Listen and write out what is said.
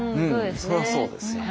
そらそうですよ。